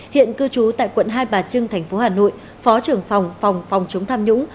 hiện cư trú tại quận hai bà trưng tp hà nội phó trưởng phòng phòng phòng chống tham nhũng